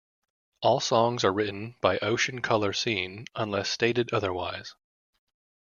All songs are written by Ocean Colour Scene, unless stated otherwise.